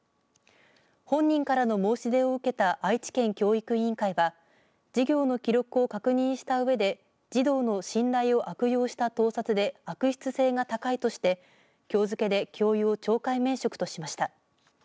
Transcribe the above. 本人からの申し出を受けた愛知県教育委員会は授業の記録を確認したうえで児童の信頼を悪用した盗撮で悪質性が高いとしてきょう付けで教諭を懲戒免職としました。